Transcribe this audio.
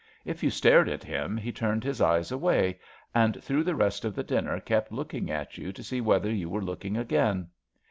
If you stared at him, he turned his eyes away, and through the rest of the dinner kept looking at you to see whether you were looking again.